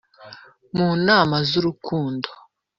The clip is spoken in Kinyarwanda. Mu nama z'urukundo.